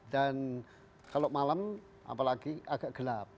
dan kalau malam apalagi agak gelap